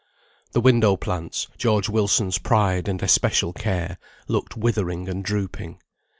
The window plants, George Wilson's pride and especial care, looked withering and drooping.